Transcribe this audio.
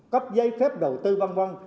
cấp giấy phép đầu tư văn văn